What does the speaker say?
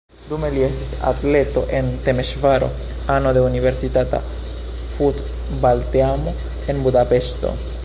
Dume li estis atleto en Temeŝvaro, ano de universitata futbalteamo en Budapeŝto.